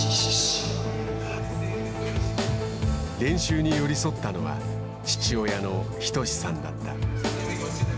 練習に寄り添ったのは父親の斉さんだった。